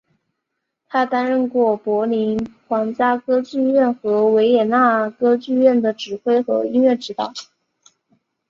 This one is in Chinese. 他担任过柏林皇家歌剧院和维也纳歌剧院的指挥和音乐指导。